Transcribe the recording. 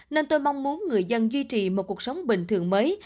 nên tôi mong muốn người dân duy trì một cuộc sống bình thường mới